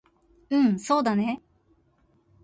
うんそうだね